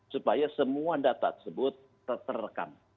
supaya semua data tersebut terekam